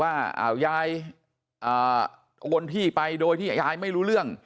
ว่ายายโอนที่ไปโดยที่ยายไม่รู้เรื่อง